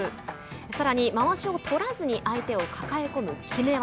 さらに、まわしを取らずに相手を抱え込むきめ技。